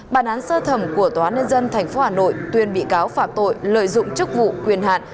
bản án sơ thẩm của tòa nhân dân tp hà nội tuyên bị cáo phạm tội lợi dụng chức vụ quyền hạn